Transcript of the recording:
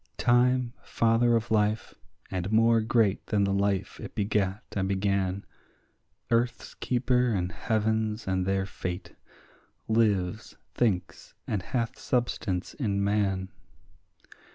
Time, father of life, and more great than the life it begat and began, Earth's keeper and heaven's and their fate, lives, thinks, and hath substance in man.